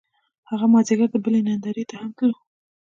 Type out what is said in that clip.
هغه مازیګر د بلۍ نندارې ته هم تللو